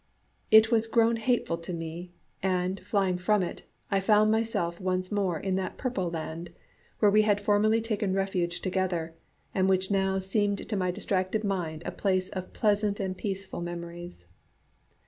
It was grown hateful to me, and, flying from it, I found myself once more in that Purple Land where we had formerly taken refuge together, and which now seemed to my distracted mind a place of pleasant and peaceful memories.